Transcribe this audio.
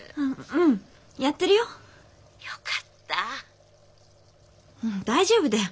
うん大丈夫だよ。